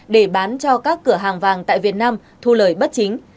để bán cho các cửa hàng vàng tại việt nam thu lời bất chính